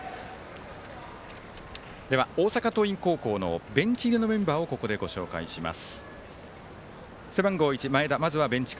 大阪桐蔭高校のベンチ入りのメンバーをここでご紹介します。